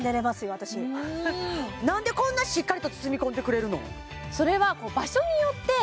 私なんでこんなしっかりと包み込んでくれるの？